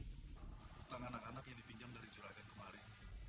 hutang anak anak yang dipinjam dari jerakan kemarin